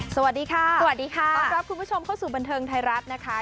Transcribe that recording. สวัสดีค่ะสวัสดีค่ะต้อนรับคุณผู้ชมเข้าสู่บันเทิงไทยรัฐนะคะ